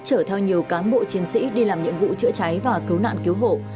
chở theo nhiều cán bộ chiến sĩ đi làm nhiệm vụ chữa cháy và cứu nạn cứu hộ